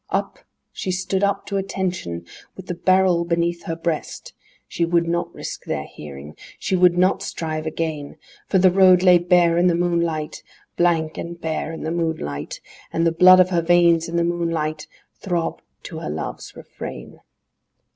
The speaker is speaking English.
Up, she stood up to attention, with the barrel beneath her breast, She would not risk their hearing; she would not strive again; For the road lay bare in the moonlight; Blank and bare in the moonlight; And the blood of her veins in the moonlight throbbed to her love's refrain